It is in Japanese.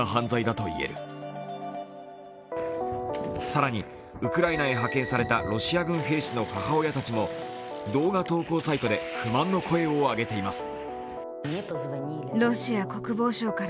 更に、ウクライナへ派遣されたロシア軍兵士の母親たちも動画投稿サイトで不満の声を上げています。